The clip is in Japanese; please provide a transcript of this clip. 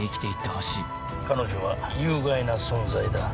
彼女は有害な存在だ。